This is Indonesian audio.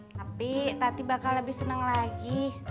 tapi tati bakal lebih seneng lagi